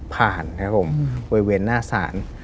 ผ่านนะครับผมเว้นหน้าสาร